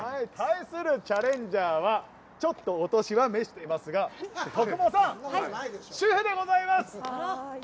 対するチャレンジャーはちょっとお年は、めしていますが徳毛さん、主婦でございます。